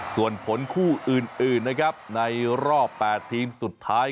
ส่วนผลคู่อื่นนะครับในรอบ๘ทีมสุดท้าย